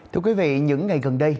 thưa quý vị những ngày gần đây